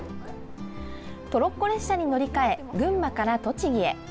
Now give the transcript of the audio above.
トロッコ列車に乗り換え群馬から栃木へ。